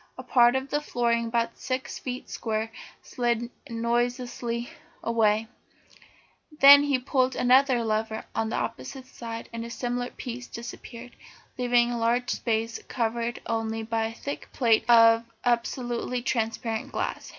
A part of the flooring about six feet square slid noiselessly away; then he pulled another lever on the opposite side and a similar piece disappeared, leaving a large space covered only by a thick plate of absolutely transparent glass.